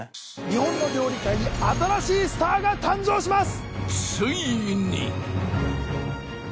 日本の料理界に新しいスターが誕生します！